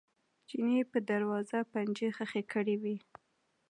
چیني په دروازه پنجې ښخې کړې وې.